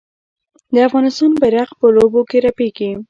د افغانستان بیرغ په لوبو کې رپیږي.